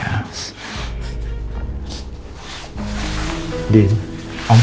udah sekarang kamu tenang ya